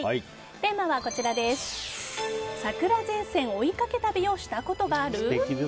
テーマは、桜前線追いかけ旅をしたことがある？